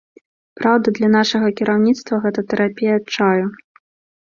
Праўда, для нашага кіраўніцтва гэта тэрапія адчаю.